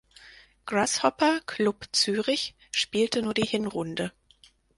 Grasshopper Club Zürich spielte nur die Hinrunde.